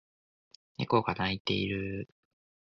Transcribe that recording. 猫が鳴いている